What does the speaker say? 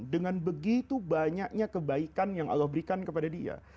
dengan begitu banyaknya kebaikan yang allah berikan kepada dia